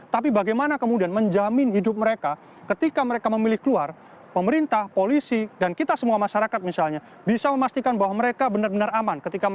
tapi bagaimana kemudian menjamin hidup mereka ketika mereka memilih keluar pemerintah polisi dan kita semua masyarakat misalnya bisa memastikan bahwa mereka benar benar aman